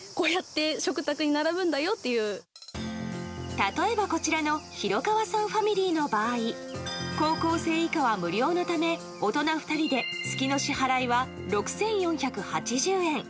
例えば、こちらの廣川さんファミリーの場合高校生以下は無料のため大人２人で月の支払いは６４８０円。